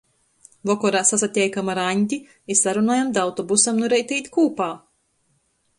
Vokorā sasateikam ar Aņdi i sarunojam da autobusam nu reita īt kūpā.